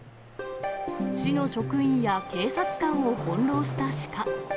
市の職員や警察官を翻弄したシカ。